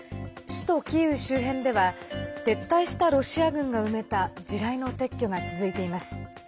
首都キーウ周辺では撤退したロシア軍が埋めた地雷の撤去が続いています。